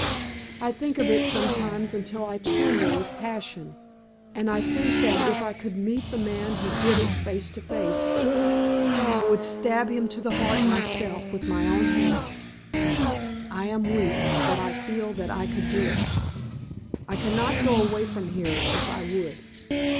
I think of it sometimes until I tremble with passion, and I think that if I could meet the man who did it face to face, I would stab him to the heart myself, with my own hands. I am weak, but I feel that I could do it. I cannot go away from here if I would.